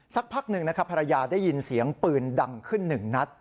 สักพักหนึ่งนะครับภรรยาได้ยินเสียงปืนดังขึ้นหนึ่งนัด